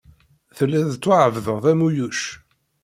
Tellid tettwaɛebded am uyuc.